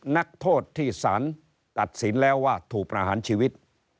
นักโทษที่สารตัดสินแล้วว่าถูกประหารชีวิต